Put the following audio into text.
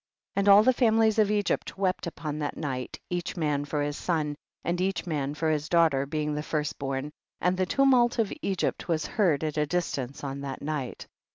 48. And all the families of Egypt wept upon that night, each man for his son, and each man for his daugh ter, being the first born, and the tu mvilt of Egypt was heard at a dis tance on that night.